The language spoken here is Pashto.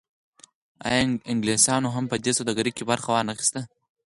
آیا انګلیسانو هم په دې سوداګرۍ کې برخه ونه اخیسته؟